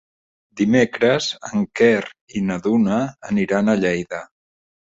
Dimecres en Quer i na Duna aniran a Lleida.